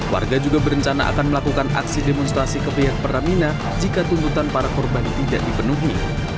warga juga berencana akan melakukan aksi demonstrasi ke pihak pertamina jika tuntutan para korban tidak dipenuhi